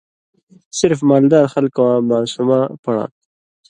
صرف مال دار خلکہ واں ماسومہ پڑاں تھو۔